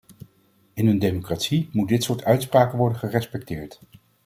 In een democratie moet dit soort uitspraken worden gerespecteerd.